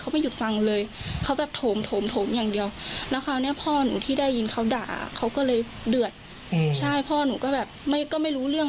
เขาคงเดือดก็เลยมาอันนี้กันทะเลาะกัน